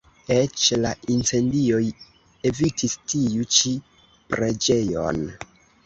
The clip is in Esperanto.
Eĉ la incendioj evitis tiu ĉi preĝejon.